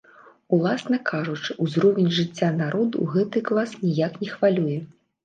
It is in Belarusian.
Уласна кажучы, узровень жыцця народу гэты клас ніяк не хвалюе.